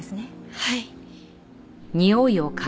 はい。